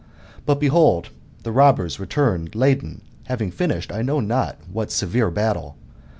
But behold, the robbers return laden, having finished I know not what severe battle.